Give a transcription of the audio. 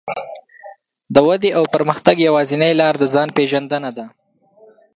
د ودې او پرمختګ يوازينۍ لار د ځان پېژندنه ده.